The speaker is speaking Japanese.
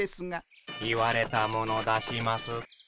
言われたもの出します。